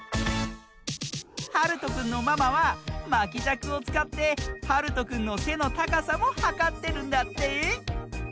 はるとくんのママはまきじゃくをつかってはるとくんのせのたかさもはかってるんだって。